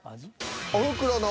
「おふくろの」